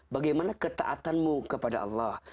bagaimana ketaatanmu kepada allah